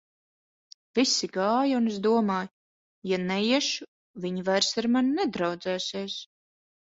Visi gāja, un es domāju: ja neiešu, viņi vairs ar mani nedraudzēsies.